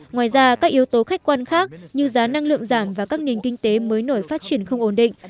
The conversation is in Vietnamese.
ngoài ra các yếu tố khách quan khác như giá năng lượng giảm và các nền kinh tế mới nổi phát triển không ổn định